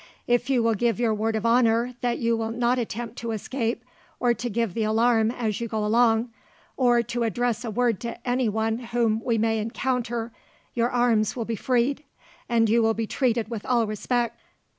If you will give your word of honour that you will not attempt to escape, or to give the alarm as you go along, or to address a word to anyone whom we may encounter, your arms will be freed, and you will be treated with all respect.